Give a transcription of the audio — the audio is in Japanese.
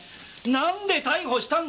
なんで逮捕したんだ！